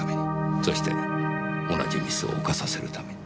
そして同じミスを犯させるために。